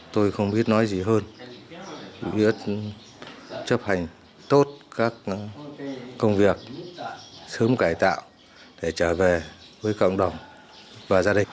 tôi không biết nói gì hơn biết chấp hành tốt các công việc sớm cải tạo để trở về với cộng đồng và gia đình